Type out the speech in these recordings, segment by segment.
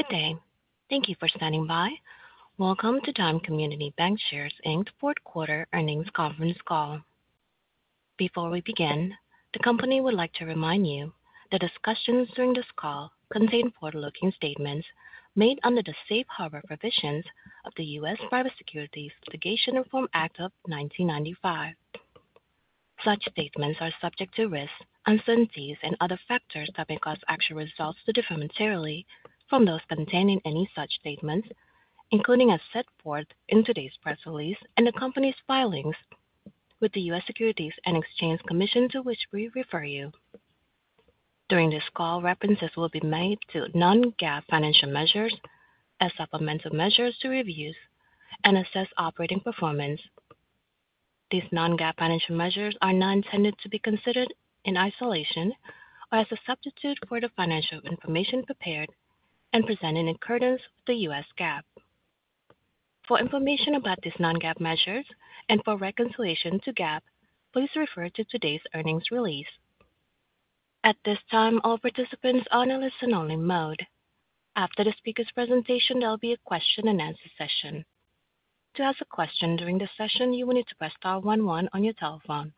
Good day. Thank you for standing by. Welcome to Dime Community Bancshares Inc.'s Fourth Quarter Earnings Conference Call. Before we begin, the company would like to remind you that discussions during this call contain forward-looking statements made under the safe harbor provisions of the U.S. Private Securities Litigation Reform Act of 1995. Such statements are subject to risks, uncertainties, and other factors that may cause actual results to differ materially from those containing any such statements, including as set forth in today's press release and the company's filings with the U.S. Securities and Exchange Commission, to which we refer you. During this call, references will be made to non-GAAP financial measures as supplemental measures to reviews and assess operating performance. These non-GAAP financial measures are not intended to be considered in isolation or as a substitute for the financial information prepared and presented in accordance with the U.S. GAAP. For information about these non-GAAP measures and for reconciliation to GAAP, please refer to today's earnings release. At this time, all participants are on a listen-only mode. After the speaker's presentation, there will be a question-and-answer session. To ask a question during the session, you will need to press star one one on your telephone.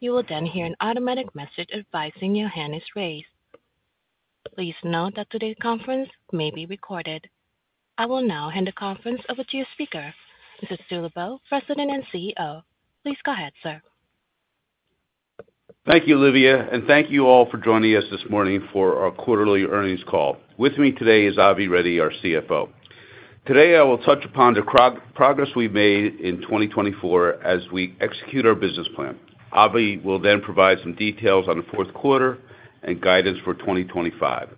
You will then hear an automatic message advising your hand is raised. Please note that today's conference may be recorded. I will now hand the conference over to your speaker, Mr. Stu Lubow, President and CEO. Please go ahead, sir. Thank you, Livia, and thank you all for joining us this morning for our quarterly earnings call. With me today is Avi Reddy, our CFO. Today, I will touch upon the progress we've made in 2024 as we execute our business plan. Avi will then provide some details on the fourth quarter and guidance for 2025.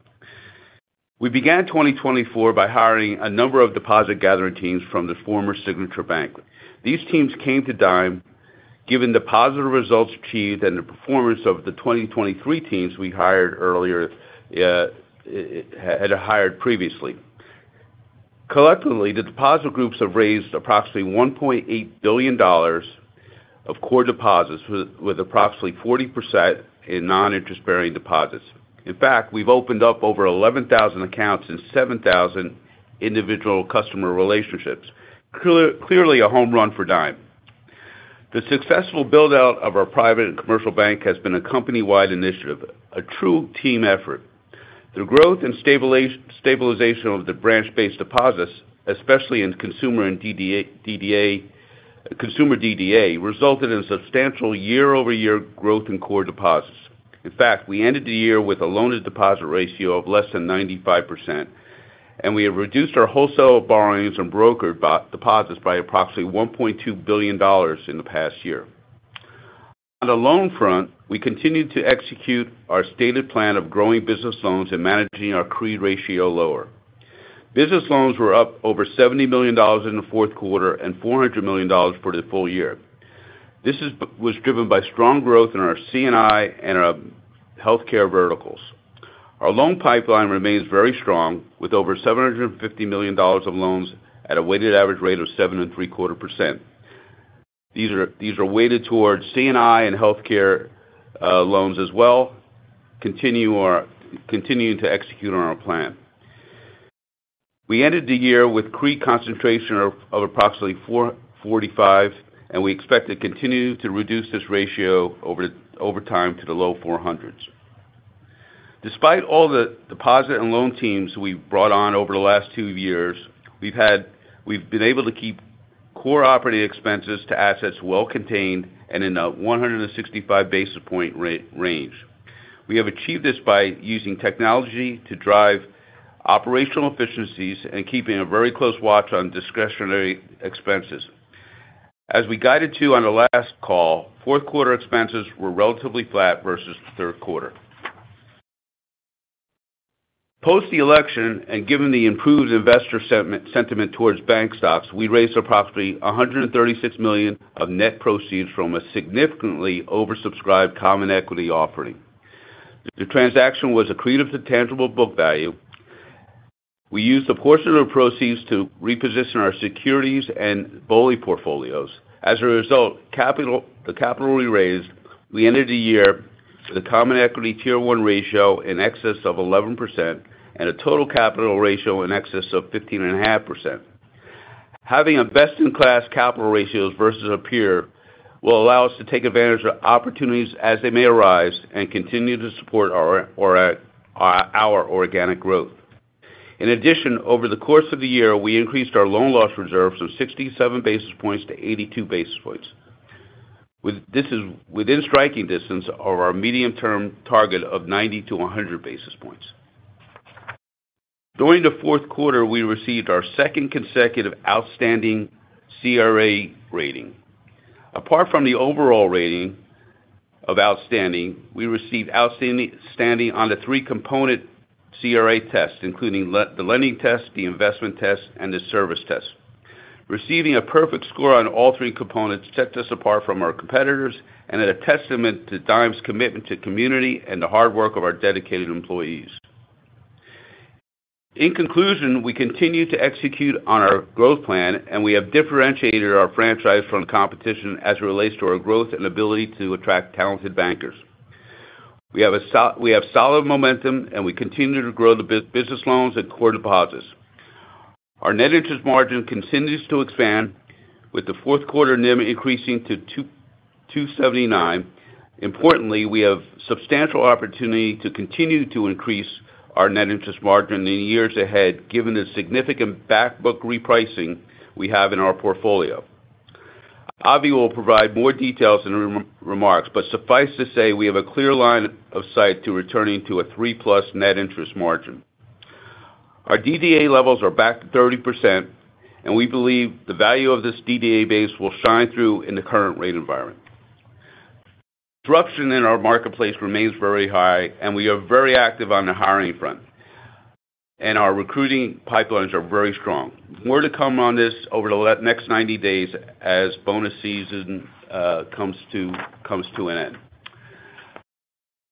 We began 2024 by hiring a number of deposit-gathering teams from the former Signature Bank. These teams came to Dime given the positive results achieved and the performance of the 2023 teams we had hired previously. Collectively, the deposit groups have raised approximately $1.8 billion of core deposits, with approximately 40% in non-interest-bearing deposits. In fact, we've opened up over 11,000 accounts and 7,000 individual customer relationships. Clearly, a home run for Dime. The successful build-out of our private and commercial bank has been a company-wide initiative, a true team effort. The growth and stabilization of the branch-based deposits, especially in consumer and DDA resulted in substantial year-over-year growth in core deposits. In fact, we ended the year with a loan-to-deposit ratio of less than 95%, and we have reduced our wholesale borrowings and brokered deposits by approximately $1.2 billion in the past year. On the loan front, we continue to execute our stated plan of growing business loans and managing our CRE ratio lower. Business loans were up over $70 million in the fourth quarter and $400 million for the full year. This was driven by strong growth in our C&I and our healthcare verticals. Our loan pipeline remains very strong, with over $750 million of loans at a weighted average rate of 7.75%. These are weighted towards C&I and healthcare loans as well, continuing to execute on our plan. We ended the year with CRE concentration of approximately 45%, and we expect to continue to reduce this ratio over time to the low 40s%. Despite all the deposit and loan teams we've brought on over the last two years, we've been able to keep core operating expenses to assets well contained and in a 165 basis point range. We have achieved this by using technology to drive operational efficiencies and keeping a very close watch on discretionary expenses. As we guided to on the last call, fourth quarter expenses were relatively flat versus the third quarter. Post the election and given the improved investor sentiment towards bank stocks, we raised approximately $136 million of net proceeds from a significantly oversubscribed common equity offering. The transaction was accretive to tangible book value. We used a portion of the proceeds to reposition our securities and BOLI portfolios. As a result, the capital we raised, we ended the year with a Common Equity Tier 1 ratio in excess of 11% and a total capital ratio in excess of 15.5%. Having a best-in-class capital ratio versus a peer will allow us to take advantage of opportunities as they may arise and continue to support our organic growth. In addition, over the course of the year, we increased our loan loss reserves from 67 basis points to 82 basis points. This is within striking distance of our medium-term target of 90-100 basis points. During the fourth quarter, we received our second consecutive outstanding CRA rating. Apart from the overall rating of Outstanding, we received outstanding on the three-component CRA test, including the Lending Test, the Investment Test, and the Service Test. Receiving a perfect score on all three components set us apart from our competitors and is a testament to Dime's commitment to community and the hard work of our dedicated employees. In conclusion, we continue to execute on our growth plan, and we have differentiated our franchise from the competition as it relates to our growth and ability to attract talented bankers. We have solid momentum, and we continue to grow the business loans and core deposits. Our net interest margin continues to expand, with the fourth quarter NIM increasing to 279. Importantly, we have substantial opportunity to continue to increase our net interest margin in the years ahead, given the significant backbook repricing we have in our portfolio. Avi will provide more details in her remarks, but suffice to say, we have a clear line of sight to returning to a three-plus net interest margin. Our DDA levels are back to 30%, and we believe the value of this DDA base will shine through in the current rate environment. Disruption in our marketplace remains very high, and we are very active on the hiring front, and our recruiting pipelines are very strong. More to come on this over the next 90 days as bonus season comes to an end.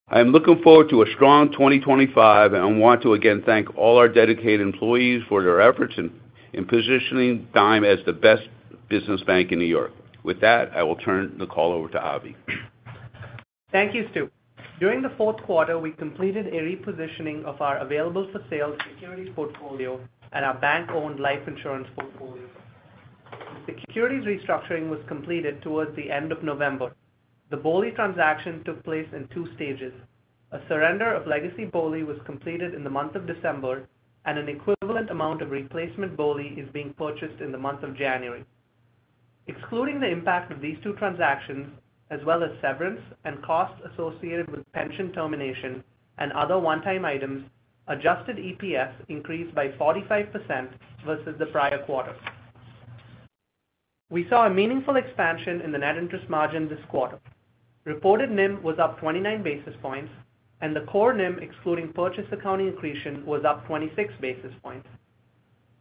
I am looking forward to a strong 2025, and I want to again thank all our dedicated employees for their efforts in positioning Dime as the best business bank in New York. With that, I will turn the call over to Avi. Thank you, Stu. During the fourth quarter, we completed a repositioning of our available-for-sale securities portfolio and our bank-owned life insurance portfolio. The securities restructuring was completed towards the end of November. The BOLI transaction took place in two stages. A surrender of legacy BOLI was completed in the month of December, and an equivalent amount of replacement BOLI is being purchased in the month of January. Excluding the impact of these two transactions, as well as severance and costs associated with pension termination and other one-time items, Adjusted EPS increased by 45% versus the prior quarter. We saw a meaningful expansion in the net interest margin this quarter. Reported NIM was up 29 basis points, and the core NIM, excluding purchase accounting accretion, was up 26 basis points.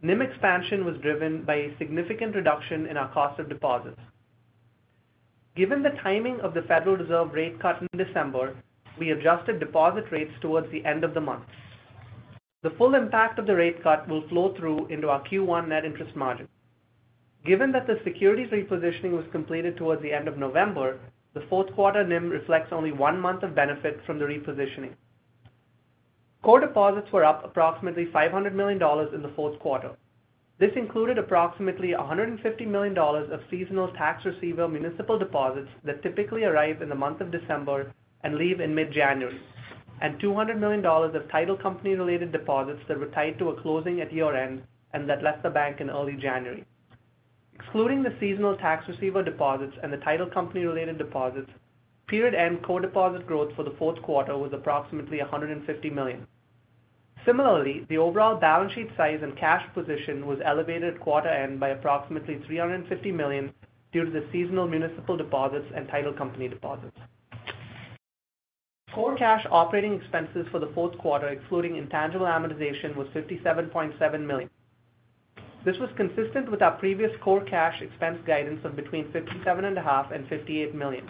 NIM expansion was driven by a significant reduction in our cost of deposits. Given the timing of the Federal Reserve rate cut in December, we adjusted deposit rates towards the end of the month. The full impact of the rate cut will flow through into our Q1 net interest margin. Given that the securities repositioning was completed towards the end of November, the fourth quarter NIM reflects only one month of benefit from the repositioning. Core deposits were up approximately $500 million in the fourth quarter. This included approximately $150 million of seasonal tax receiver municipal deposits that typically arrive in the month of December and leave in mid-January, and $200 million of title company-related deposits that were tied to a closing at year-end and that left the bank in early January. Excluding the seasonal tax receiver deposits and the title company-related deposits, period-end core deposit growth for the fourth quarter was approximately $150 million. Similarly, the overall balance sheet size and cash position was elevated at quarter-end by approximately $350 million due to the seasonal municipal deposits and title company deposits. Core cash operating expenses for the fourth quarter, excluding intangible amortization, was $57.7 million. This was consistent with our previous core cash expense guidance of between $57.5 and $58 million.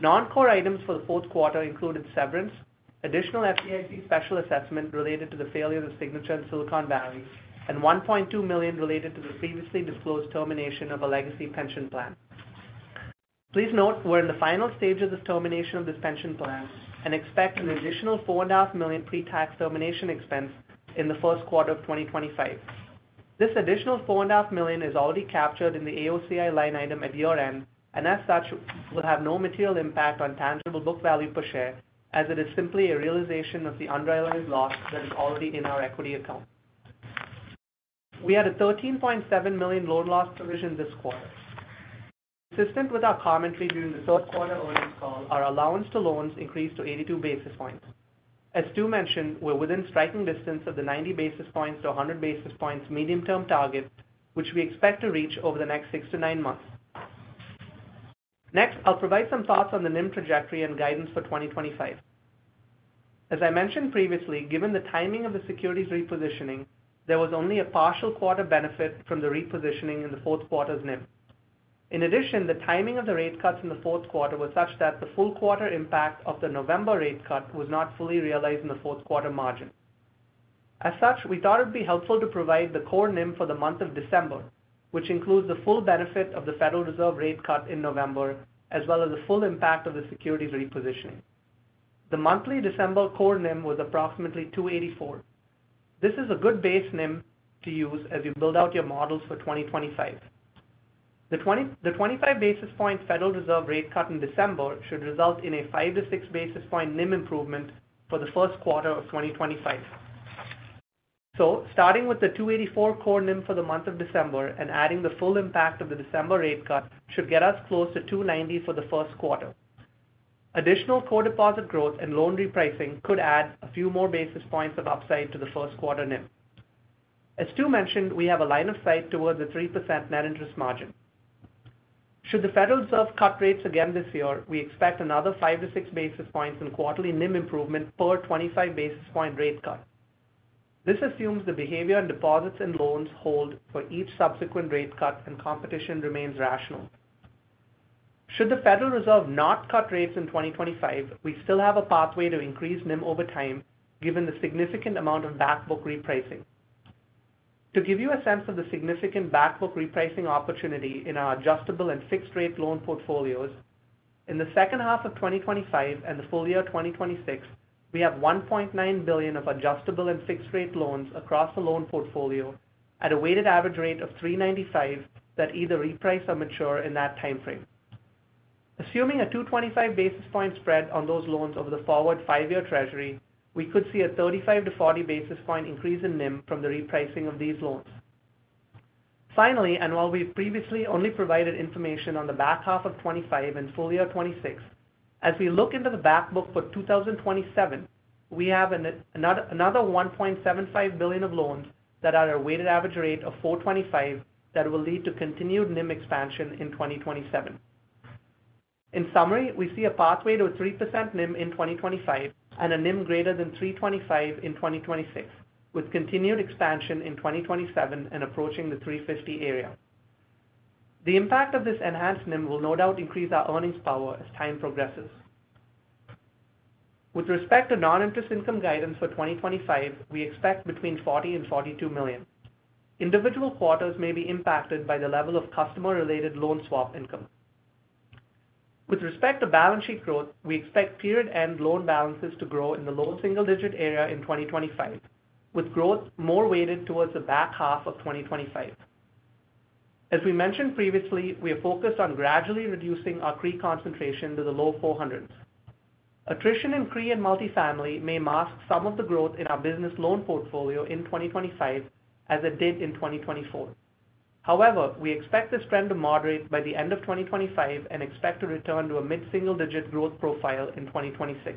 Non-core items for the fourth quarter included severance, additional FDIC special assessment related to the failure of Signature and Silicon Valley, and $1.2 million related to the previously disclosed termination of a legacy pension plan. Please note we're in the final stage of this termination of this pension plan and expect an additional $4.5 million pre-tax termination expense in the first quarter of 2025. This additional $4.5 million is already captured in the AOCI line item at year-end and, as such, will have no material impact on tangible book value per share as it is simply a realization of the unrealized loss that is already in our equity account. We had a $13.7 million loan loss provision this quarter. Consistent with our commentary during the third quarter earnings call, our allowance to loans increased to 82 basis points. As Stu mentioned, we're within striking distance of the 90 basis points to 100 basis points medium-term target, which we expect to reach over the next six to nine months. Next, I'll provide some thoughts on the NIM trajectory and guidance for 2025. As I mentioned previously, given the timing of the securities repositioning, there was only a partial quarter benefit from the repositioning in the fourth quarter's NIM. In addition, the timing of the rate cuts in the fourth quarter was such that the full quarter impact of the November rate cut was not fully realized in the fourth quarter margin. As such, we thought it would be helpful to provide the core NIM for the month of December, which includes the full benefit of the Federal Reserve rate cut in November, as well as the full impact of the securities repositioning. The monthly December core NIM was approximately 284. This is a good base NIM to use as you build out your models for 2025. The 25 basis point Federal Reserve rate cut in December should result in a 5-6 basis point NIM improvement for the first quarter of 2025. Starting with the 2.84 core NIM for the month of December and adding the full impact of the December rate cut should get us close to 2.90 for the first quarter. Additional core deposit growth and loan repricing could add a few more basis points of upside to the first quarter NIM. As Stu mentioned, we have a line of sight towards a 3% net interest margin. Should the Federal Reserve cut rates again this year, we expect another 5-6 basis points in quarterly NIM improvement per 25 basis point rate cut. This assumes the behavior and deposits and loans hold for each subsequent rate cut and competition remains rational. Should the Federal Reserve not cut rates in 2025, we still have a pathway to increase NIM over time given the significant amount of backbook repricing. To give you a sense of the significant backbook repricing opportunity in our adjustable and fixed-rate loan portfolios, in the second half of 2025 and the full year 2026, we have $1.9 billion of adjustable and fixed-rate loans across the loan portfolio at a weighted average rate of 3.95% that either reprice or mature in that timeframe. Assuming a 225 basis point spread on those loans over the forward five-year Treasury, we could see a 35-40 basis point increase in NIM from the repricing of these loans. Finally, and while we've previously only provided information on the back half of 2025 and full year 2026, as we look into the backbook for 2027, we have another $1.75 billion of loans that are at a weighted average rate of 4.25% that will lead to continued NIM expansion in 2027. In summary, we see a pathway to a 3% NIM in 2025 and a NIM greater than 3.25% in 2026, with continued expansion in 2027 and approaching the 3.50% area. The impact of this enhanced NIM will no doubt increase our earnings power as time progresses. With respect to non-interest income guidance for 2025, we expect between $40 million-$42 million. Individual quarters may be impacted by the level of customer-related loan swap income. With respect to balance sheet growth, we expect period-end loan balances to grow in the low single-digit area in 2025, with growth more weighted towards the back half of 2025. As we mentioned previously, we are focused on gradually reducing our CRE concentration to the low 400s. Attrition in CRE and multifamily may mask some of the growth in our business loan portfolio in 2025 as it did in 2024. However, we expect this trend to moderate by the end of 2025 and expect to return to a mid-single-digit growth profile in 2026.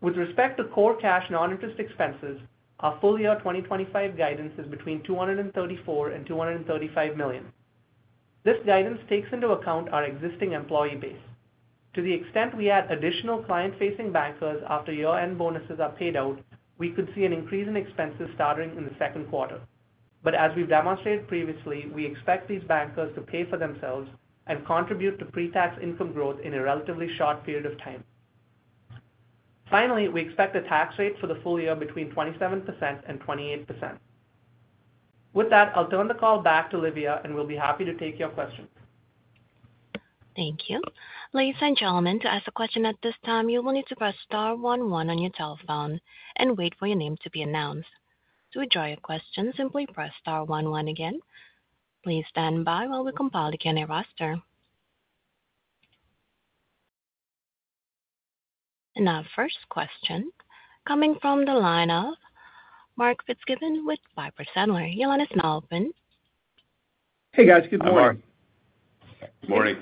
With respect to core cash non-interest expenses, our full year 2025 guidance is between $234 million and $235 million. This guidance takes into account our existing employee base. To the extent we add additional client-facing bankers after year-end bonuses are paid out, we could see an increase in expenses starting in the second quarter. But as we've demonstrated previously, we expect these bankers to pay for themselves and contribute to pre-tax income growth in a relatively short period of time. Finally, we expect a tax rate for the full year between 27% and 28%. With that, I'll turn the call back to Livia, and we'll be happy to take your questions. Thank you. Ladies and gentlemen, to ask a question at this time, you will need to press star one one on your telephone and wait for your name to be announced. To withdraw your question, simply press star one one again. Please stand by while we compile the candidate roster. And our first question coming from the line of Mark Fitzgibbon with Piper Sandler. Your line is now open. Hey, guys. Good morning. Good morning.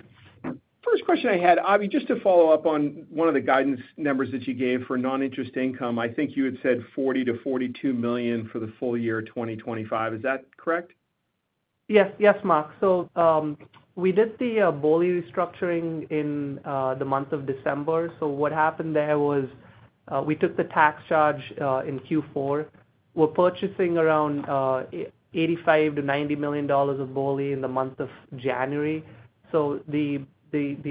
First question I had, Avi, just to follow up on one of the guidance numbers that you gave for non-interest income, I think you had said $40 million-$42 million for the full year 2025. Is that correct? Yes. Yes, Mark. So we did the BOLI restructuring in the month of December. So what happened there was we took the tax charge in Q4. We're purchasing around $85-$90 million of BOLI in the month of January. So the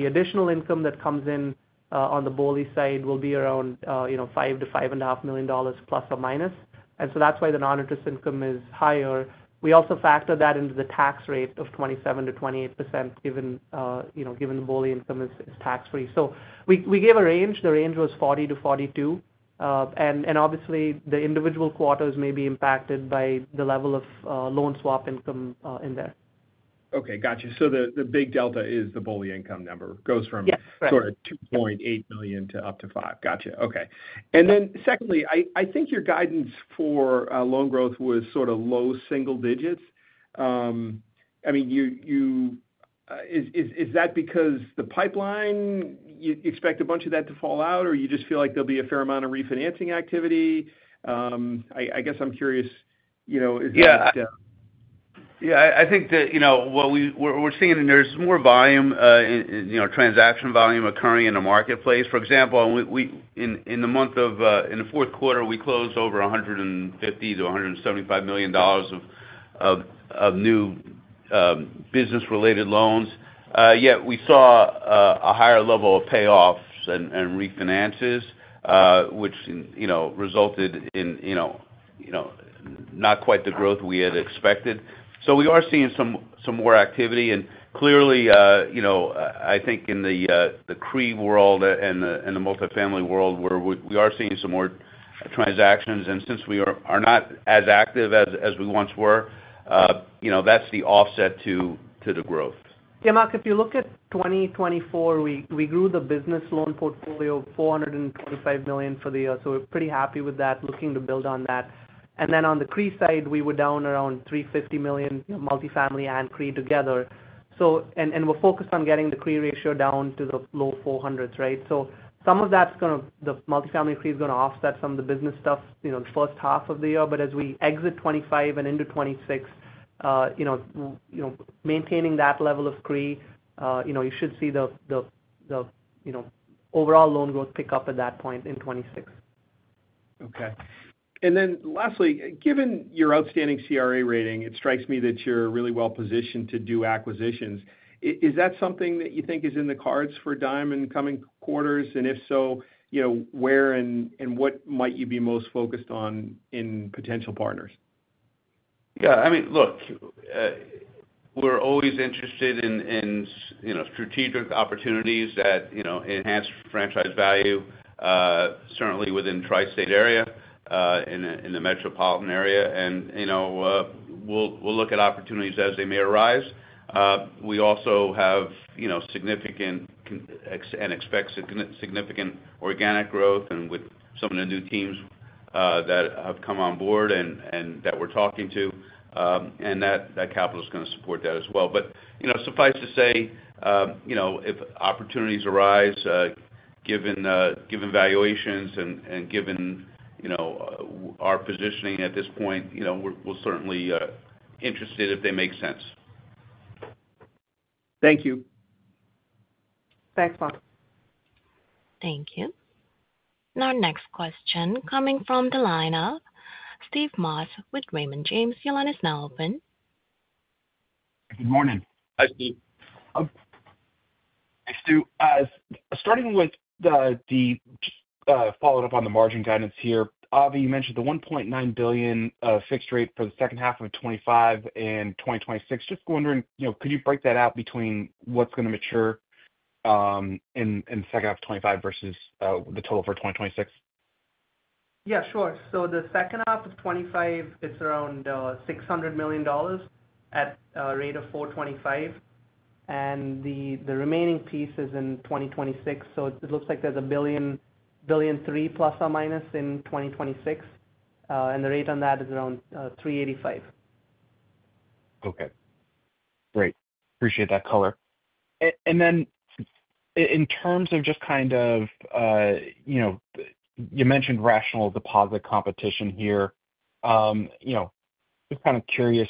additional income that comes in on the BOLI side will be around $5 million-$5.5 million plus or minus. And so that's why the non-interest income is higher. We also factor that into the tax rate of 27%-28% given the BOLI income is tax-free. So we gave a range. The range was $40 million-$42. And obviously, the individual quarters may be impacted by the level of loan swap income in there. Okay. Gotcha. So the big delta is the BOLI income number goes from sort of $2.8 million to up to $5 million. Gotcha. Okay. And then secondly, I think your guidance for loan growth was sort of low single digits. I mean, is that because the pipeline, you expect a bunch of that to fall out, or you just feel like there'll be a fair amount of refinancing activity? I guess I'm curious, is that? Yeah. Yeah. I think that what we're seeing, there's more volume, transaction volume occurring in the marketplace. For example, in the month of in the fourth quarter, we closed over $150 million-$175 million of new business-related loans. Yet we saw a higher level of payoffs and refinances, which resulted in not quite the growth we had expected. So we are seeing some more activity. And clearly, I think in the CRE world and the multifamily world, we are seeing some more transactions. And since we are not as active as we once were, that's the offset to the growth. Yeah, Mark, if you look at 2024, we grew the business loan portfolio of $425 million for the year. So we're pretty happy with that, looking to build on that. And then on the CRE side, we were down around $350 million, multifamily and CRE together. And we're focused on getting the CRE ratio down to the low 400s, right? So some of that's going to the multifamily CRE is going to offset some of the business stuff the first half of the year. But as we exit 2025 and into 2026, maintaining that level of CRE, you should see the overall loan growth pick up at that point in 2026. Okay, and then lastly, given your outstanding CRA rating, it strikes me that you're really well-positioned to do acquisitions. Is that something that you think is in the cards for Dime in coming quarters? And if so, where and what might you be most focused on in potential partners? Yeah. I mean, look, we're always interested in strategic opportunities that enhance franchise value, certainly within the tri-state area and in the metropolitan area. And we'll look at opportunities as they may arise. We also have significant and expect significant organic growth and with some of the new teams that have come on board and that we're talking to. And that capital is going to support that as well. But suffice to say, if opportunities arise, given valuations and given our positioning at this point, we're certainly interested if they make sense. Thank you. Thanks, Mark. Thank you. And our next question coming from the line of Steve Moss with Raymond James, Your line is now open. Good morning. Hi, Steve. Hey, Steve. Starting with the just following up on the margin guidance here, Avi, you mentioned the $1.9 billion fixed rate for the second half of 2025 and 2026. Just wondering, could you break that out between what's going to mature in the second half of 2025 versus the total for 2026? Yeah, sure. So the second half of 2025, it's around $600 million at a rate of $425. And the remaining piece is in 2026. So it looks like there's a billion, billion three plus or minus in 2026. And the rate on that is around $385. Okay. Great. Appreciate that color. And then in terms of just kind of you mentioned rational deposit competition here. Just kind of curious,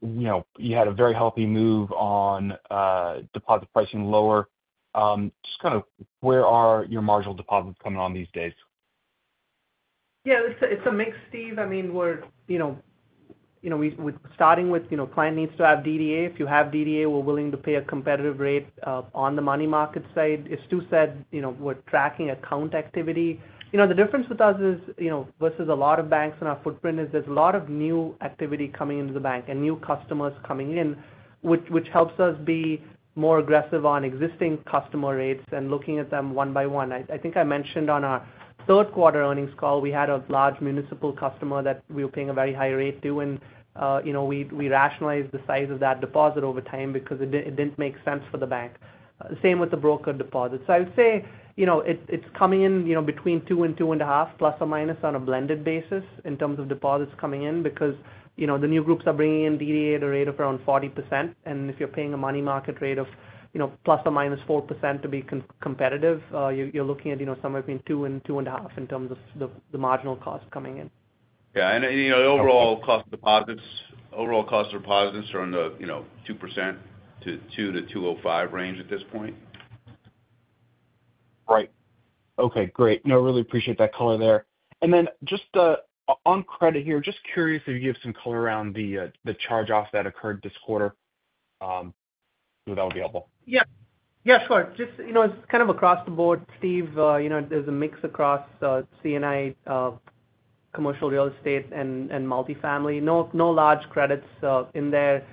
you had a very healthy move on deposit pricing lower. Just kind of where are your marginal deposits coming on these days? Yeah, it's a mix, Steve. I mean, we're starting with client needs to have DDA. If you have DDA, we're willing to pay a competitive rate on the money market side. As Stu said, we're tracking account activity. The difference with us is versus a lot of banks and our footprint is there's a lot of new activity coming into the bank and new customers coming in, which helps us be more aggressive on existing customer rates and looking at them one by one. I think I mentioned on our third quarter earnings call, we had a large municipal customer that we were paying a very high rate to. And we rationalized the size of that deposit over time because it didn't make sense for the bank. Same with the broker deposits. I would say it's coming in between two and two and a half plus or minus on a blended basis in terms of deposits coming in because the new groups are bringing in DDA at a rate of around 40%. If you're paying a money market rate of plus or minus 4% to be competitive, you're looking at somewhere between two and two and a half in terms of the marginal cost coming in. Yeah. And overall core deposits are in the 2%-2.05% range at this point. Right. Okay. Great. No, I really appreciate that color there. And then just on credit here, just curious if you give some color around the charge-off that occurred this quarter. That would be helpful. Yeah. Yeah, sure. Just kind of across the board, Steve, there's a mix across C&I, commercial real estate, and multifamily. No large credits in there.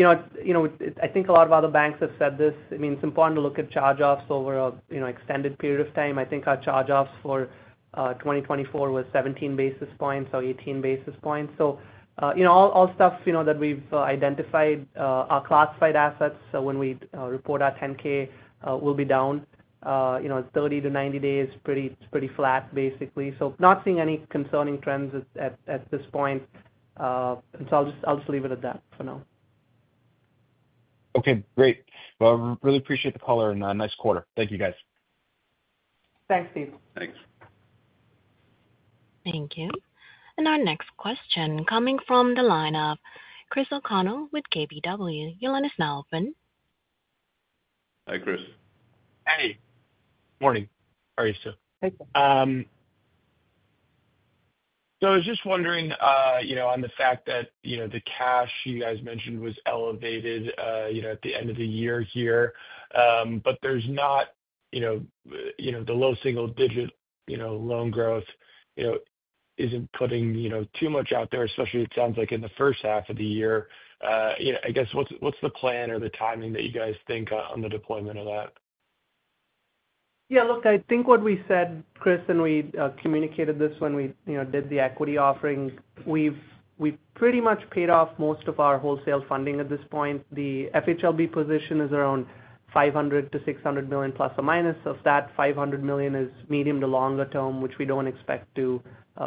I think a lot of other banks have said this. I mean, it's important to look at charge-offs over an extended period of time. I think our charge-offs for 2024 were 17 basis points or 18 basis points, so all stuff that we've identified, our classified assets when we report our 10-K will be down. It's 30-90 days, pretty flat, basically, so not seeing any concerning trends at this point, so I'll just leave it at that for now. Okay. Great. Well, I really appreciate the color and a nice quarter. Thank you, guys. Thanks, Steve. Thanks. Thank you. And our next question coming from the line of Chris O'Connell with KBW, Your line is now open. Hi, Chris. Hey. Morning. How are you, Stu? Hey, Chris. So I was just wondering on the fact that the cash you guys mentioned was elevated at the end of the year here. But there's not the low single-digit loan growth isn't putting too much out there, especially it sounds like in the first half of the year. I guess what's the plan or the timing that you guys think on the deployment of that? Yeah. Look, I think what we said, Chris, and we communicated this when we did the equity offering. We've pretty much paid off most of our wholesale funding at this point. The FHLB position is around $500 million-$600 million plus or minus. Of that, $500 million is medium to longer term, which we don't expect to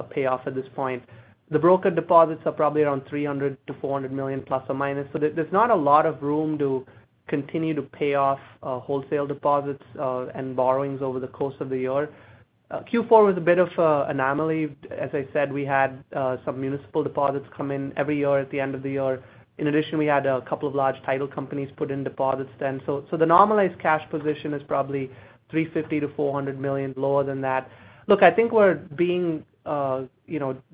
pay off at this point. The broker deposits are probably around $300 million-$400 million plus or minus. So there's not a lot of room to continue to pay off wholesale deposits and borrowings over the course of the year. Q4 was a bit of an anomaly. As I said, we had some municipal deposits come in every year at the end of the year. In addition, we had a couple of large title companies put in deposits then. So the normalized cash position is probably $350 million-$400 million, lower than that. Look, I think we're being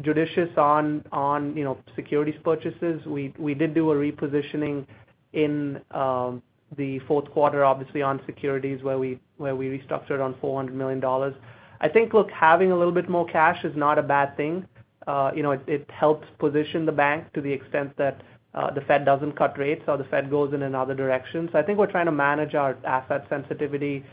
judicious on securities purchases. We did do a repositioning in the fourth quarter, obviously, on securities where we restructured on $400 million. I think, look, having a little bit more cash is not a bad thing. It helps position the bank to the extent that the Fed doesn't cut rates or the Fed goes in another direction. So I think we're trying to manage our asset sensitivity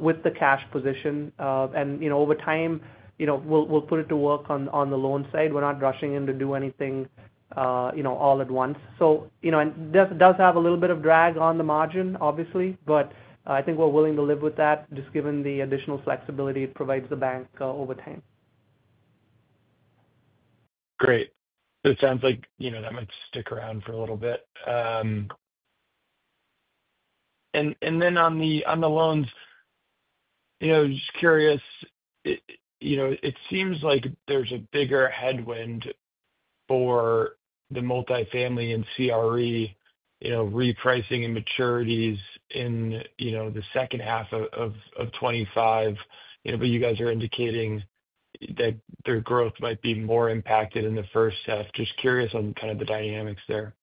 with the cash position. And over time, we'll put it to work on the loan side. We're not rushing in to do anything all at once. So it does have a little bit of drag on the margin, obviously. But I think we're willing to live with that, just given the additional flexibility it provides the bank over time. Great. So it sounds like that might stick around for a little bit. And then on the loans, just curious, it seems like there's a bigger headwind for the multifamily and CRE repricing and maturities in the second half of 2025. But you guys are indicating that their growth might be more impacted in the first half. Just curious on kind of the dynamics there.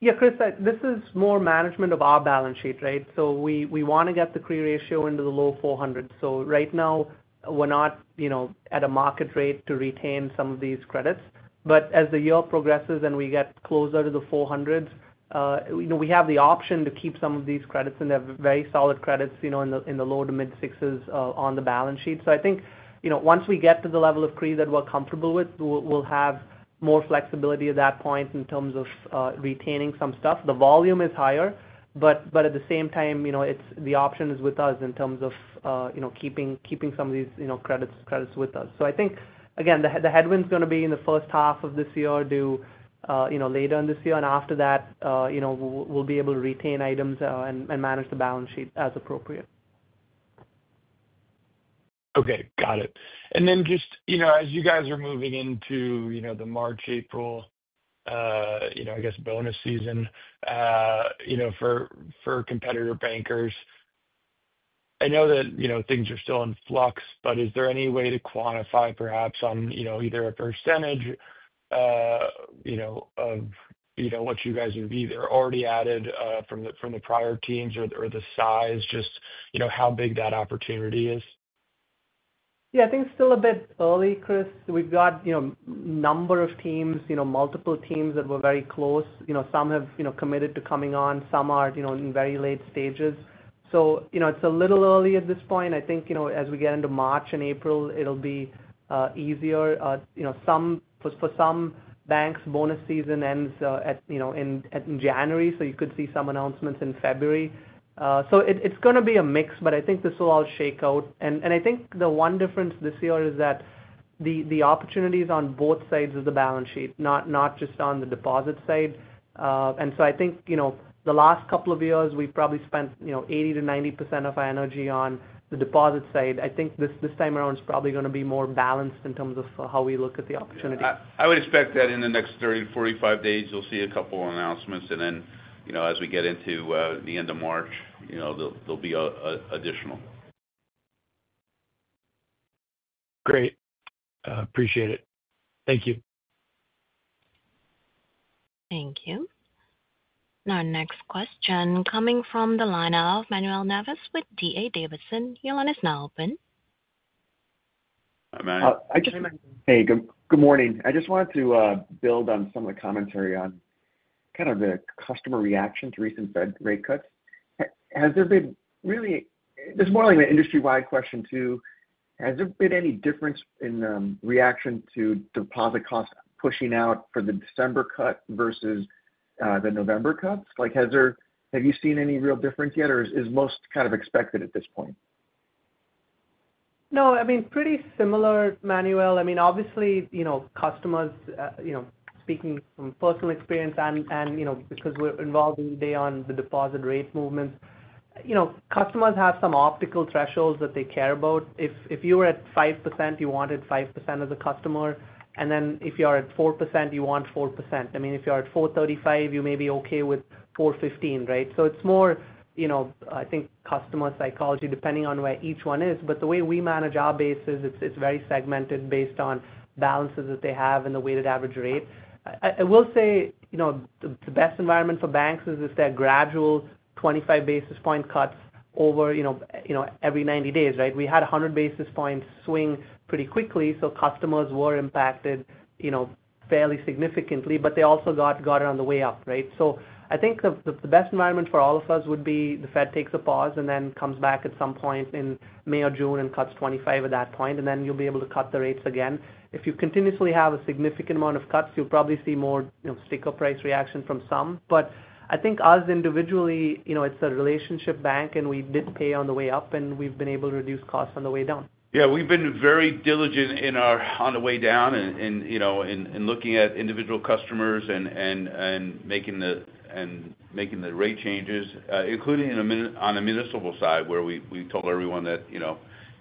Yeah, Chris, this is more management of our balance sheet, right? So we want to get the CRE ratio into the low 400s. So right now, we're not at a market rate to retain some of these credits. But as the year progresses and we get closer to the 400s, we have the option to keep some of these credits. And they're very solid credits in the low to mid-sixes on the balance sheet. So I think once we get to the level of CRE that we're comfortable with, we'll have more flexibility at that point in terms of retaining some stuff. The volume is higher. But at the same time, the option is with us in terms of keeping some of these credits with us. So I think, again, the headwind's going to be in the first half of this year to later in this year. After that, we'll be able to retain items and manage the balance sheet as appropriate. Okay. Got it. And then just as you guys are moving into the March, April, I guess, bonus season for competitor bankers, I know that things are still in flux, but is there any way to quantify perhaps on either a percentage of what you guys have either already added from the prior teams or the size, just how big that opportunity is? Yeah. I think still a bit early, Chris. We've got a number of teams, multiple teams that were very close. Some have committed to coming on. Some are in very late stages. So it's a little early at this point. I think as we get into March and April, it'll be easier. For some banks, bonus season ends in January. So you could see some announcements in February. So it's going to be a mix, but I think this will all shake out. And I think the one difference this year is that the opportunities on both sides of the balance sheet, not just on the deposit side. And so I think the last couple of years, we've probably spent 80%-90% of our energy on the deposit side. I think this time around is probably going to be more balanced in terms of how we look at the opportunity. I would expect that in the next 30 to 45 days, you'll see a couple of announcements, and then as we get into the end of March, there'll be additional. Great. Appreciate it. Thank you. Thank you. And our next question coming from the line of Manuel Navas with D.A. Davidson. Your line is now open. Hi, Manuel. Hey, good morning. I just wanted to build on some of the commentary on kind of the customer reaction to recent Fed rate cuts. Has there been really? This is more like an industry-wide question too. Has there been any difference in reaction to deposit costs pushing out for the December cut versus the November cuts? Have you seen any real difference yet, or is most kind of expected at this point? No, I mean, pretty similar, Manuel. I mean, obviously, customers, speaking from personal experience and because we're involved every day on the deposit rate movements, customers have some optical thresholds that they care about. If you were at 5%, you wanted 5% of the customer. And then if you are at 4%, you want 4%. I mean, if you're at 4.35%, you may be okay with 4.15%, right? So it's more, I think, customer psychology depending on where each one is. But the way we manage our bases, it's very segmented based on balances that they have and the weighted average rate. I will say the best environment for banks is if they're gradual 25 basis point cuts over every 90 days, right? We had 100 basis points swing pretty quickly. So customers were impacted fairly significantly, but they also got it on the way up, right? So I think the best environment for all of us would be the Fed takes a pause and then comes back at some point in May or June and cuts 25 at that point. And then you'll be able to cut the rates again. If you continuously have a significant amount of cuts, you'll probably see more sticker price reaction from some. But I think us individually, it's a relationship bank, and we did pay on the way up, and we've been able to reduce costs on the way down. Yeah. We've been very diligent on the way down in looking at individual customers and making the rate changes, including on the municipal side where we told everyone that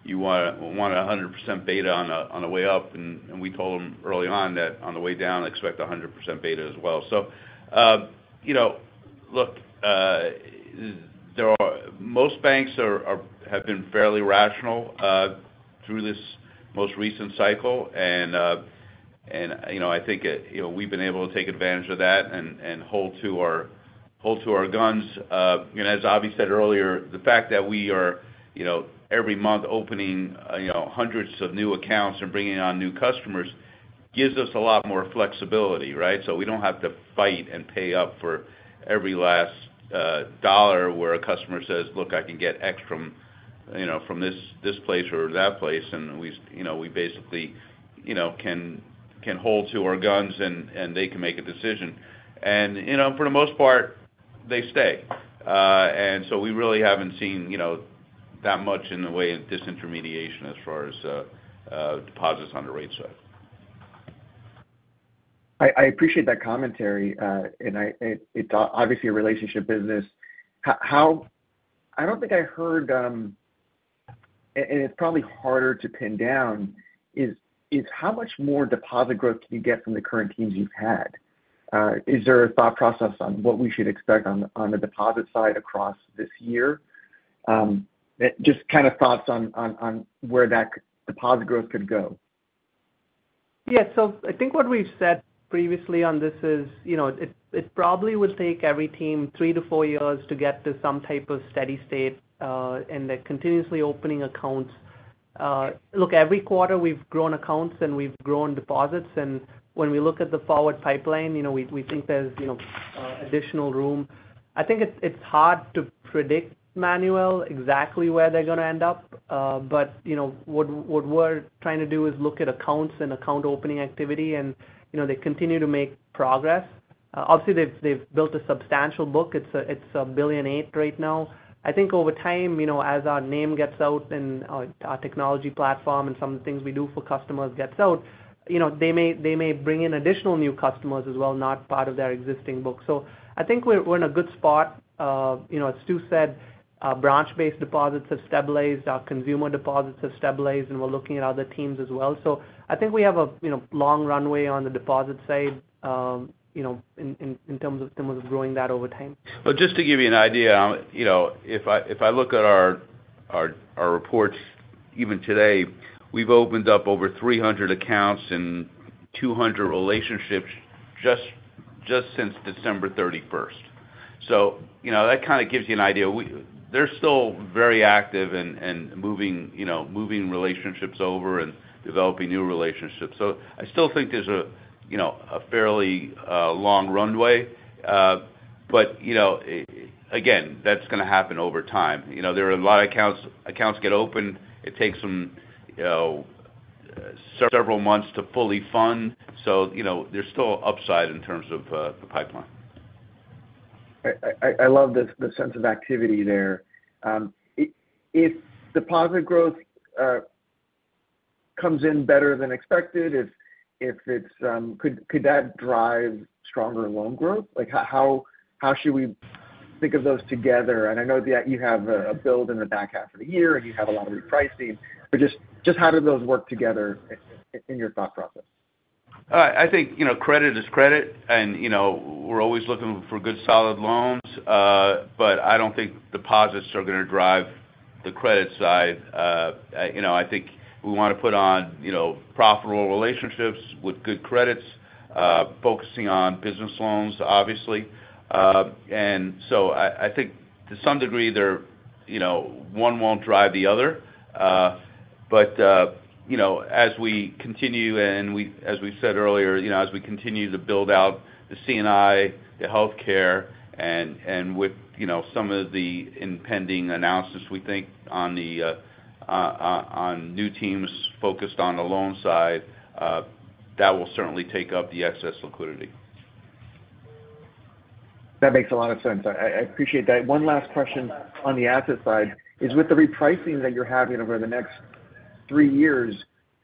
you want a 100% beta on the way up. And we told them early on that on the way down, expect 100% beta as well. So look, most banks have been fairly rational through this most recent cycle. And I think we've been able to take advantage of that and hold to our guns. And as Avi said earlier, the fact that we are every month opening hundreds of new accounts and bringing on new customers gives us a lot more flexibility, right? So we don't have to fight and pay up for every last dollar where a customer says, "Look, I can get X from this place or that place." And we basically can hold to our guns, and they can make a decision. And for the most part, they stay. And so we really haven't seen that much in the way of disintermediation as far as deposits on the rate side. I appreciate that commentary, and it's obviously a relationship business. I don't think I heard, and it's probably harder to pin down, is how much more deposit growth can you get from the current teams you've had? Is there a thought process on what we should expect on the deposit side across this year? Just kind of thoughts on where that deposit growth could go. Yeah. So I think what we've said previously on this is it probably will take every team three-to-four years to get to some type of steady state and they're continuously opening accounts. Look, every quarter, we've grown accounts and we've grown deposits. And when we look at the forward pipeline, we think there's additional room. I think it's hard to predict, Manuel, exactly where they're going to end up. But what we're trying to do is look at accounts and account opening activity, and they continue to make progress. Obviously, they've built a substantial book. It's $1.8 billion right now. I think over time, as our name gets out and our technology platform and some of the things we do for customers gets out, they may bring in additional new customers as well, not part of their existing book. So I think we're in a good spot. As Stu said, branch-based deposits have stabilized. Our consumer deposits have stabilized, and we're looking at other teams as well. So I think we have a long runway on the deposit side in terms of growing that over time. Just to give you an idea, if I look at our reports even today, we've opened up over 300 accounts and 200 relationships just since December 31st. That kind of gives you an idea. They're still very active and moving relationships over and developing new relationships. I still think there's a fairly long runway. Again, that's going to happen over time. There are a lot of accounts get opened. It takes several months to fully fund. There's still upside in terms of the pipeline. I love the sense of activity there. If deposit growth comes in better than expected, could that drive stronger loan growth? How should we think of those together? And I know that you have a build in the back half of the year, and you have a lot of repricing. But just how do those work together in your thought process? I think credit is credit, and we're always looking for good solid loans. But I don't think deposits are going to drive the credit side. I think we want to put on profitable relationships with good credits, focusing on business loans, obviously, and so I think to some degree, one won't drive the other. But as we continue and as we said earlier, as we continue to build out the C&I, the healthcare, and with some of the impending announcements, we think on new teams focused on the loan side, that will certainly take up the excess liquidity. That makes a lot of sense. I appreciate that. One last question on the asset side is with the repricing that you're having over the next three years,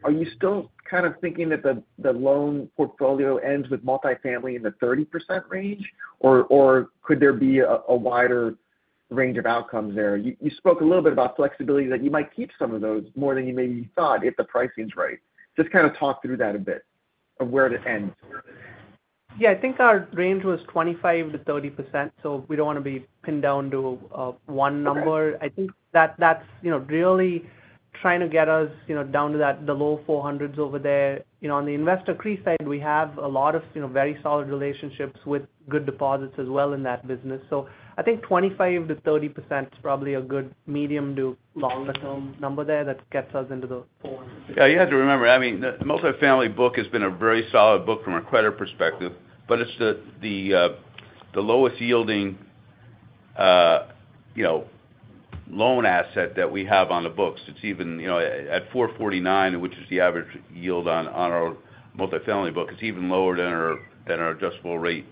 are you still kind of thinking that the loan portfolio ends with multifamily in the 30% range, or could there be a wider range of outcomes there? You spoke a little bit about flexibility that you might keep some of those more than you maybe thought if the pricing's right. Just kind of talk through that a bit about where it ends. Yeah. I think our range was 25%-30%. So we don't want to be pinned down to one number. I think that's really trying to get us down to the low 400s over there. On the investor CRE side, we have a lot of very solid relationships with good deposits as well in that business. So I think 25%-30% is probably a good medium to longer-term number there that gets us into the 400s. Yeah. You have to remember, I mean, the multifamily book has been a very solid book from a credit perspective, but it's the lowest-yielding loan asset that we have on the books. It's even at 4.49, which is the average yield on our multifamily book. It's even lower than our adjustable rate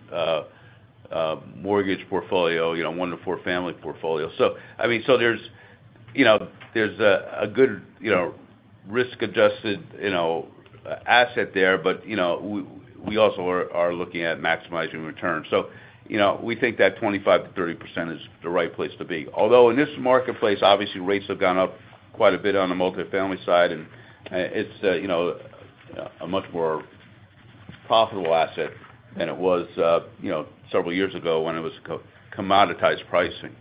mortgage portfolio, one to four family portfolio. So I mean, so there's a good risk-adjusted asset there, but we also are looking at maximizing returns. So we think that 25%-30% is the right place to be. Although in this marketplace, obviously, rates have gone up quite a bit on the multifamily side, and it's a much more profitable asset than it was several years ago when it was commoditized pricing.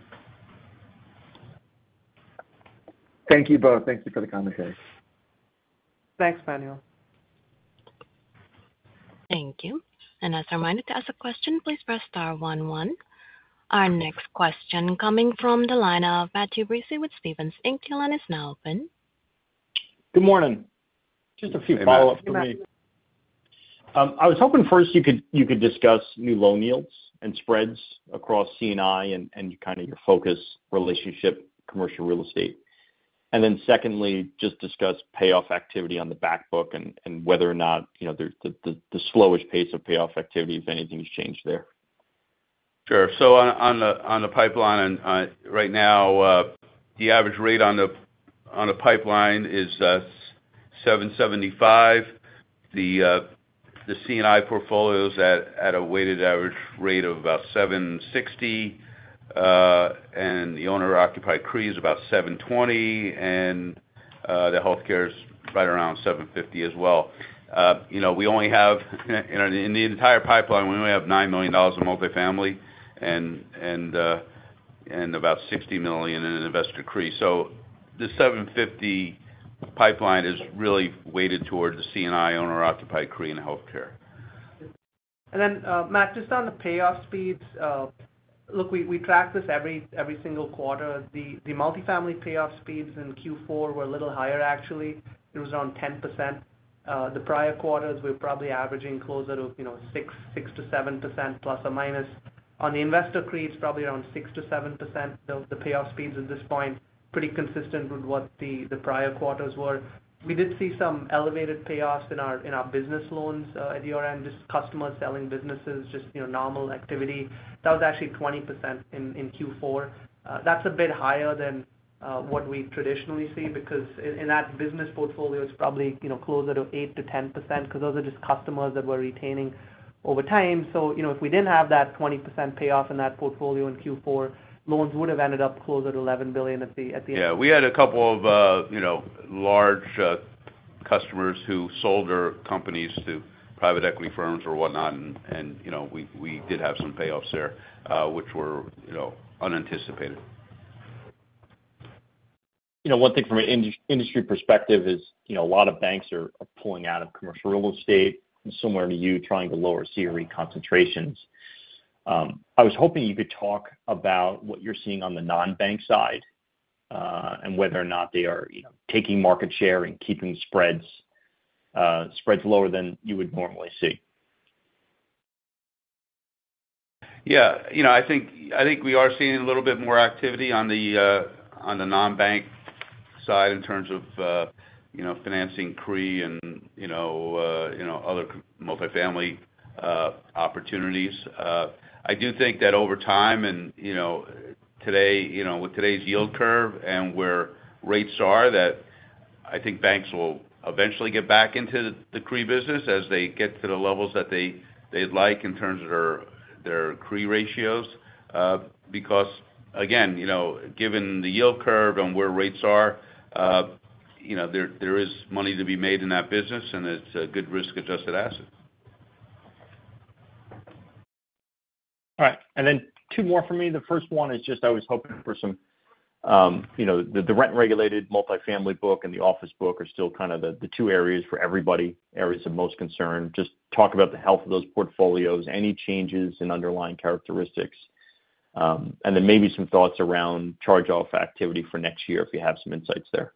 Thank you both. Thank you for the commentary. Thanks, Manuel. Thank you. And as a reminder to ask a question, please press star one one. Our next question coming from the line of Matthew Breese with Stephens Inc. Your line is now open. Good morning. Just a few follow-ups for me. I was hoping first you could discuss new loan yields and spreads across C&I and kind of your focus relationship commercial real estate, and then secondly, just discuss payoff activity on the backbook and whether or not the slowest pace of payoff activity, if anything, has changed there. Sure. So on the pipeline right now, the average rate on the pipeline is 775. The C&I portfolio is at a weighted average rate of about 760. And the owner-occupied CRE is about 720. And the healthcare is right around 750 as well. We only have in the entire pipeline, we only have $9 million of multifamily and about $60 million in investor CRE. So the 750 pipeline is really weighted toward the C&I owner-occupied CRE and healthcare. And then, Matt, just on the payoff speeds, look, we track this every single quarter. The multifamily payoff speeds in Q4 were a little higher, actually. It was around 10%. The prior quarters, we were probably averaging closer to 6%-7% plus or minus. On the investor CRE, it's probably around 6%-7%. The payoff speeds at this point are pretty consistent with what the prior quarters were. We did see some elevated payoffs in our business loans at year-end, just customers selling businesses, just normal activity. That was actually 20% in Q4. That's a bit higher than what we traditionally see because in that business portfolio, it's probably closer to 8%-10% because those are just customers that were retaining over time. So if we didn't have that 20% payoff in that portfolio in Q4, loans would have ended up closer to $11 billion at the end. Yeah. We had a couple of large customers who sold their companies to private equity firms or whatnot, and we did have some payoffs there, which were unanticipated. One thing from an industry perspective is a lot of banks are pulling out of commercial real estate and similar to you trying to lower CRE concentrations. I was hoping you could talk about what you're seeing on the non-bank side and whether or not they are taking market share and keeping spreads lower than you would normally see. Yeah. I think we are seeing a little bit more activity on the non-bank side in terms of financing CRE and other multifamily opportunities. I do think that over time and today with today's yield curve and where rates are, that I think banks will eventually get back into the CRE business as they get to the levels that they'd like in terms of their CRE ratios. Because again, given the yield curve and where rates are, there is money to be made in that business, and it's a good risk-adjusted asset. All right, and then two more from me. The first one is just, I was hoping for some color on the rent-regulated multifamily book and the office book are still kind of the two areas for everybody, areas of most concern. Just talk about the health of those portfolios, any changes in underlying characteristics, and then maybe some thoughts around charge-off activity for next year if you have some insights there.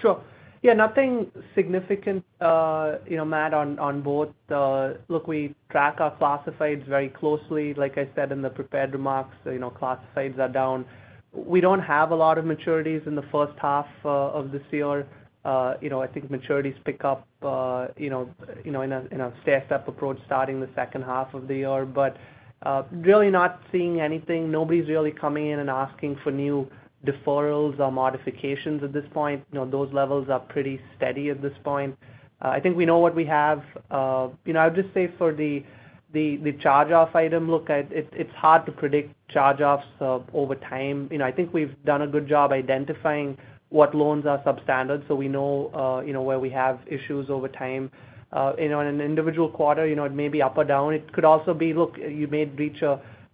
Sure. Yeah. Nothing significant, Matt, on both. Look, we track our classifieds very closely. Like I said in the prepared remarks, classifieds are down. We don't have a lot of maturities in the first half of this year. I think maturities pick up in a stair-step approach starting the second half of the year. But really not seeing anything. Nobody's really coming in and asking for new deferrals or modifications at this point. Those levels are pretty steady at this point. I think we know what we have. I would just say for the charge-off item, look, it's hard to predict charge-offs over time. I think we've done a good job identifying what loans are substandard. So we know where we have issues over time. In an individual quarter, it may be up or down. It could also be, look, you may reach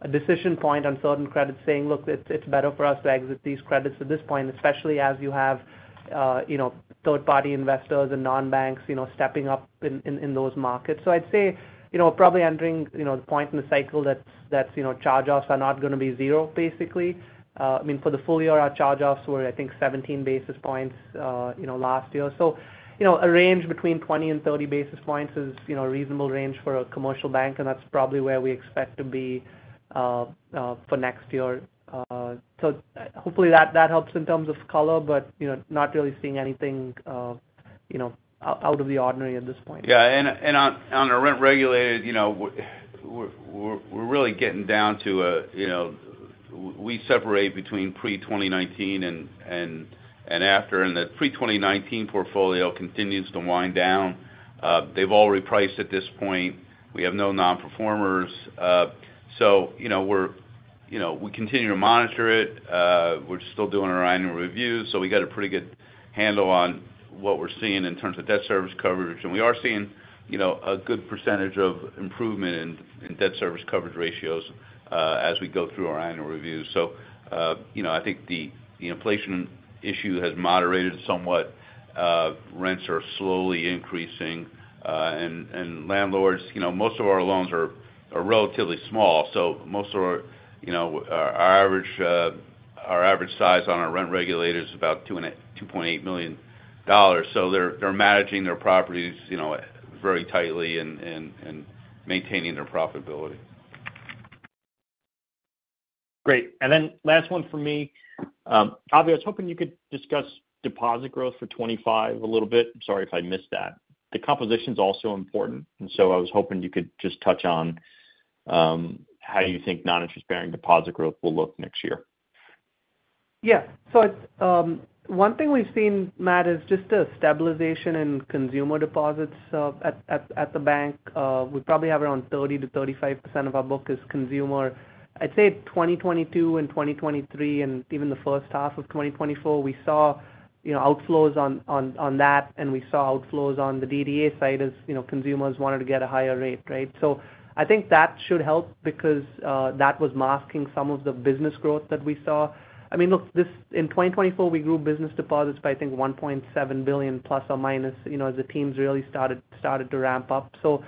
a decision point on certain credits saying, "Look, it's better for us to exit these credits at this point," especially as you have third-party investors and non-banks stepping up in those markets. So I'd say probably entering the point in the cycle that charge-offs are not going to be zero, basically. I mean, for the full year, our charge-offs were, I think, 17 basis points last year. So a range between 20 and 30 basis points is a reasonable range for a commercial bank, and that's probably where we expect to be for next year. So hopefully that helps in terms of color, but not really seeing anything out of the ordinary at this point. Yeah. And on our rent-regulated, we're really getting down to a we separate between pre-2019 and after, and the pre-2019 portfolio continues to wind down. They've all repriced at this point. We have no non-performers. So we continue to monitor it. We're still doing our annual reviews. So we got a pretty good handle on what we're seeing in terms of debt service coverage. And we are seeing a good percentage of improvement in debt service coverage ratios as we go through our annual review. So I think the inflation issue has moderated somewhat. Rents are slowly increasing. And landlords, most of our loans are relatively small. So most of our average size on our rent-regulated is about $2.8 million. So they're managing their properties very tightly and maintaining their profitability. Great. And then last one for me. Avi, I was hoping you could discuss deposit growth for 2025 a little bit. I'm sorry if I missed that. The composition is also important. And so I was hoping you could just touch on how you think non-interest-bearing deposit growth will look next year. Yeah. So one thing we've seen, Matt, is just the stabilization in consumer deposits at the bank. We probably have around 30%-35% of our book as consumer. I'd say 2022 and 2023 and even the first half of 2024, we saw outflows on that, and we saw outflows on the DDA side as consumers wanted to get a higher rate, right? So I think that should help because that was masking some of the business growth that we saw. I mean, look, in 2024, we grew business deposits by, I think, $1.7 billion plus or minus as the teams really started to ramp up. So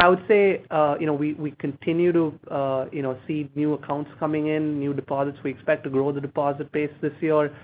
I would say we continue to see new accounts coming in, new deposits. We expect to grow the deposit base this year.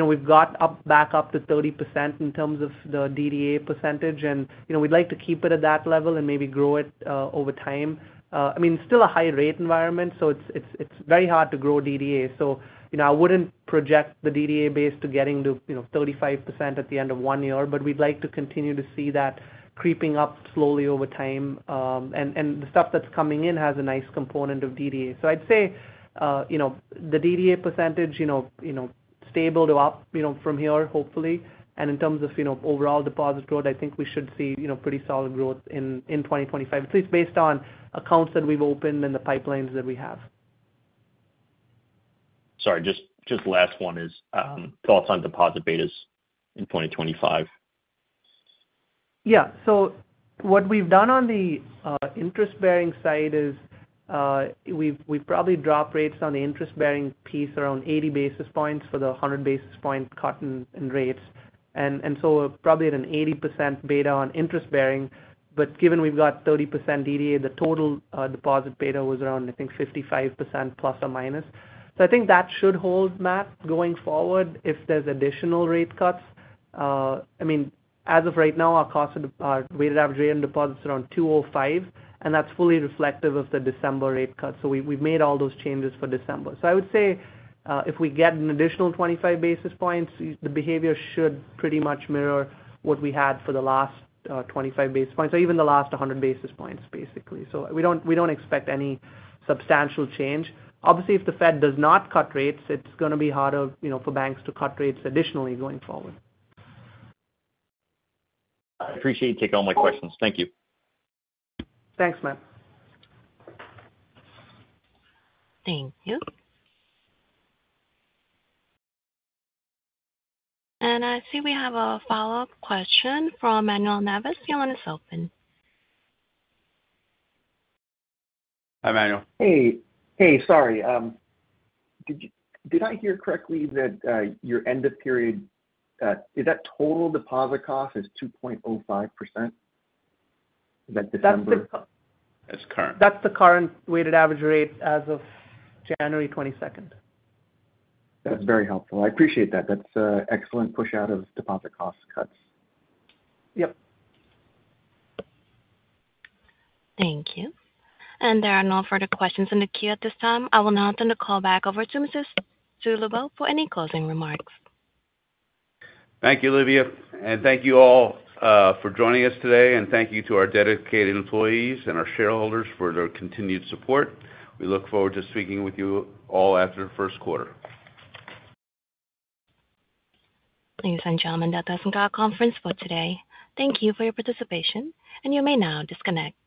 We've got back up to 30% in terms of the DDA percentage, and we'd like to keep it at that level and maybe grow it over time. I mean, still a high-rate environment, so it's very hard to grow DDA. So I wouldn't project the DDA base to getting to 35% at the end of one year, but we'd like to continue to see that creeping up slowly over time. And the stuff that's coming in has a nice component of DDA. So I'd say the DDA percentage stable to up from here, hopefully. And in terms of overall deposit growth, I think we should see pretty solid growth in 2025, at least based on accounts that we've opened and the pipelines that we have. Sorry. Just last one is thoughts on deposit betas in 2025? Yeah. So what we've done on the interest-bearing side is we've probably dropped rates on the interest-bearing piece around 80 basis points for the 100 basis point cut in rates. And so we're probably at an 80% beta on interest-bearing. But given we've got 30% DDA, the total deposit beta was around, I think, 55% plus or minus. So I think that should hold, Matt, going forward if there's additional rate cuts. I mean, as of right now, our weighted average rate on deposits is around 205, and that's fully reflective of the December rate cuts. So we've made all those changes for December. So I would say if we get an additional 25 basis points, the behavior should pretty much mirror what we had for the last 25 basis points or even the last 100 basis points, basically. So we don't expect any substantial change. Obviously, if the Fed does not cut rates, it's going to be harder for banks to cut rates additionally going forward. I appreciate you taking all my questions. Thank you. Thanks, Matt. Thank you. And I see we have a follow-up question from Manuel Navas. Your line is now open. Hi, Manuel. Hey. Hey, sorry. Did I hear correctly that your end-of-period is that total deposit cost is 2.05%? Is that December? That's the current weighted average rate as of January 22nd. That's very helpful. I appreciate that. That's an excellent push out of deposit cost cuts. Yep. Thank you. And there are no further questions in the queue at this time. I will now turn the call back over to Stu Lubow for any closing remarks. Thank you, Livia. And thank you all for joining us today. And thank you to our dedicated employees and our shareholders for their continued support. We look forward to speaking with you all after the first quarter. Ladies and gentlemen, that concludes the conference for today. Thank you for your participation, and you may now disconnect.